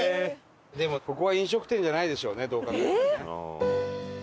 でもここは飲食店じゃないでしょうねどう考えても。